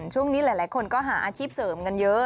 ช่วงนี้หลายคนก็หาอาชีพเสริมกันเยอะ